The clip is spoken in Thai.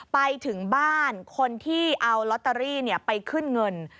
ไปถึงบ้านคนที่เอาลอตเตอรี่ไปขึ้นเงิน